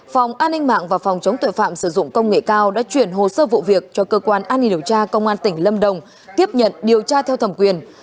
phòng an ninh mạng và phòng chống tội phạm sử dụng công nghệ cao đã chuyển hồ sơ vụ việc cho cơ quan an ninh điều tra công an tỉnh lâm đồng tiếp nhận điều tra theo thẩm quyền